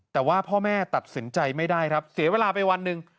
แต่ว่าพ่อแม่ตัดสินใจไม่ได้ครับเสียเวลาไปวันหนึ่ง